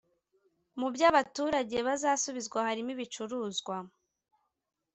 Mu byo abaturage bazasubizwa harimo ibicuruzwa